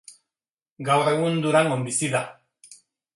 Gaur egun Durangon bizi da.